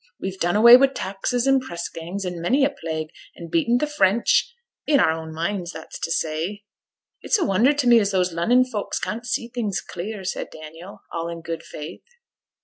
We've done away wi' taxes and press gangs, and many a plague, and beaten t' French i' our own minds, that's to say.' 'It's a wonder t' me as those Lunnon folks can't see things clear,' said Daniel, all in good faith.